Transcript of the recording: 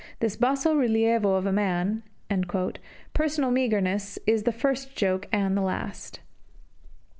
"This basso rilievo of a man " personal meagreness is the first joke and the last.